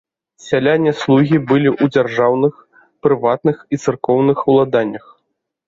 Сяляне-слугі былі ў дзяржаўных, прыватных і царкоўных уладаннях.